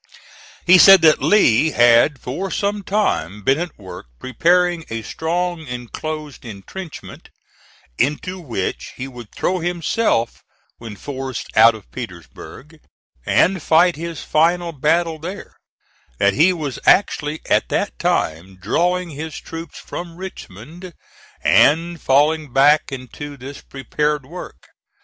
He said that Lee had for some time been at work preparing a strong enclosed intrenchment, into which he would throw himself when forced out of Petersburg, and fight his final battle there; that he was actually at that time drawing his troops from Richmond, and falling back into this prepared work.